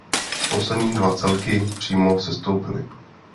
Poslední dva celky přímo sestoupily.